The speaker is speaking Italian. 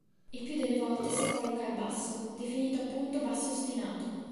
Il più delle volte si colloca al basso, definito appunto basso ostinato.